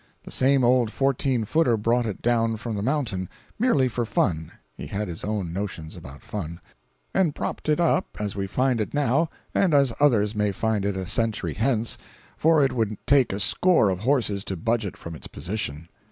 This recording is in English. The same old fourteen footer brought it down from the mountain, merely for fun (he had his own notions about fun), and propped it up as we find it now and as others may find it a century hence, for it would take a score of horses to budge it from its position.